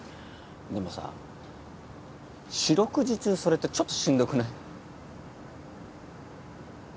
でもさ四六時中それってちょっとしんどくない？